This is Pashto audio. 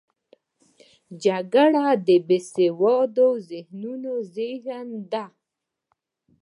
جګړه د بې سواده ذهنونو زیږنده ده